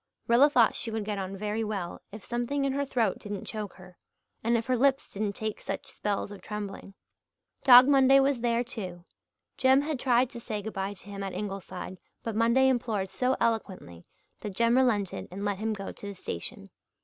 Rilla thought she would get on very well if something in her throat didn't choke her, and if her lips didn't take such spells of trembling. Dog Monday was there, too. Jem had tried to say good bye to him at Ingleside but Monday implored so eloquently that Jem relented and let him go to the station.